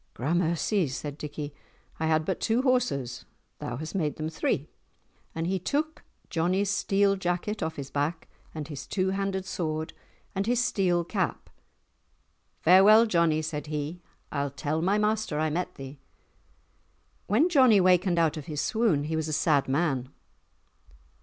"Gramercy," said Dickie, "I had but two horses, thou hast made them three!"—and he took Johnie's steel jacket off his back and his two handed sword, and his steel cap. "Farewell, Johnie," said he, "I'll tell my master I met thee." When Johnie wakened out of his swoon, he was a sad man.